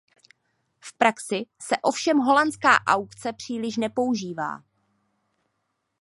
V praxi se ovšem holandská aukce příliš nepoužívá.